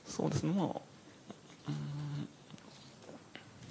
まあ。